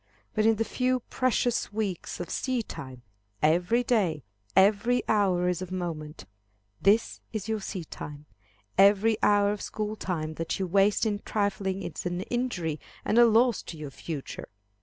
But in the few precious weeks of seedtime, every day, every hour is of moment. This is your seedtime. Every hour of school time that you waste in trifling is an injury and a loss to your future.